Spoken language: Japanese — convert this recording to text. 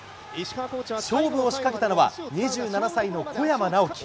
勝負を仕掛けたのは、２７歳の小山直城。